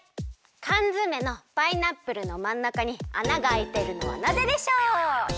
かんづめのパイナップルのまんなかに穴があいているのはなぜでしょう？